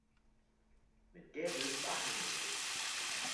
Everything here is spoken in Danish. - Men derved var han noget.